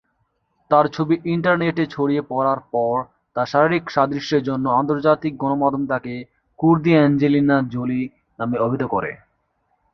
তার ছবি ইন্টারনেটে ছড়িয়ে পড়ার পর, তার শারীরিক সাদৃশ্যের জন্য আন্তর্জাতিক গণমাধ্যম তাকে ""কুর্দি অ্যাঞ্জেলিনা জোলি"" নামে অভিহিত করে।